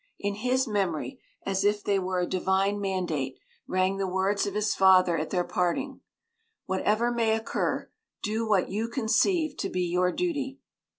In his memory, as if they were a divine mandate, rang the words of his father at their parting: "Whatever may occur, do what you conceive to be your duty."